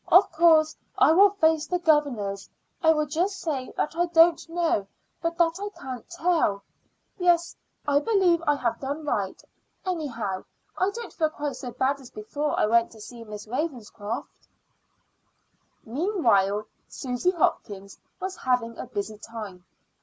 "Of course I will face the governors. I will just say that I know but that I can't tell. Yes, I believe I have done right. Anyhow, I don't feel quite so bad as before I went to see Miss Ravenscroft." Meanwhile Susy Hopkins was having a busy time.